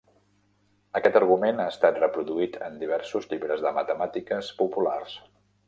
Aquest argument ha estat reproduït en diversos llibres de matemàtiques populars.